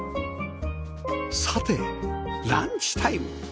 さてランチタイム